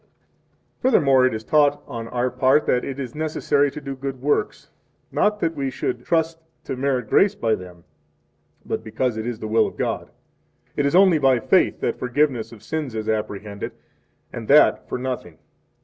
27 Furthermore, it is taught on our part that it is necessary to do good works, not that we should trust to merit grace by them, but because it is the will of God. 28 It is only by faith that forgiveness of sins is apprehended, and that, for nothing.